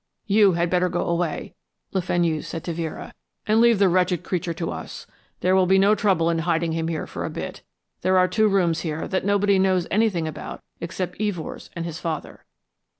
"You had better go away," Le Fenu said to Vera, "and leave the wretched creature to us. There will be no trouble in hiding him here for a bit. There are two rooms here that nobody knows anything about except Evors and his father."